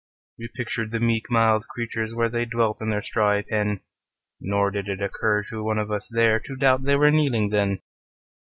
We pictured the meek mild creatures where They dwelt in their strawy pen, Nor did it occur to one of us there To doubt they were kneeling then.